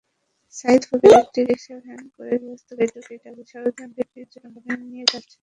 সাঈদ ফকির একটি রিকশাভ্যানে করে গৃহস্থালির টুকিটাকি সরঞ্জাম বিক্রির জন্য বনানী নিয়ে যাচ্ছিলেন।